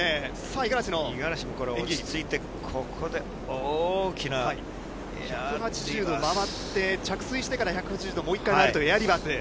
五十嵐も落ち着いて、ここで１８０度回って、着水してから１８０度、もう一回上がるというエアリバース。